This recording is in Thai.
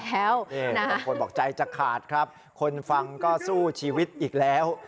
บางคนบอกใจจะขาดครับคนฟังก็สู้ชีวิตอีกแล้ว